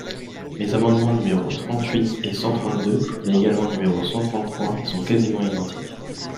Mes amendements numéros trente-huit et cent trente-deux mais également numéro cent trente-trois sont quasiment identiques.